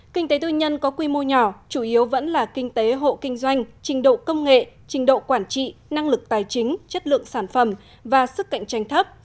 kinh tế tư nhân có quy mô nhỏ chủ yếu vẫn là kinh tế hộ kinh doanh trình độ công nghệ trình độ quản trị năng lực tài chính chất lượng sản phẩm và sức cạnh tranh thấp